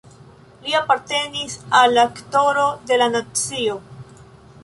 Li apartenis al Aktoro de la nacio.